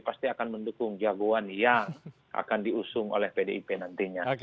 pasti akan mendukung jagoan yang akan diusung oleh pdip nantinya